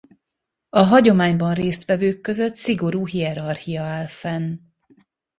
A hagyományban részt vevők között szigorú hierarchia áll fenn.